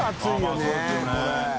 まぁそうですよね。